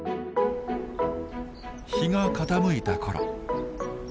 日が傾いた頃。